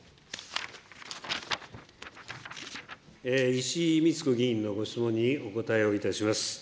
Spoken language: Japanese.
石井苗子議員のご質問にお答えをいたします。